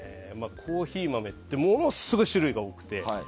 コーヒー豆ってものすごい種類が多くて。